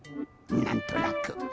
なんとなく。